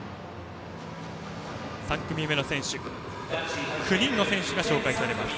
３組目の選手９人の選手が紹介されます。